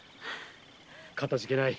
かたじけない。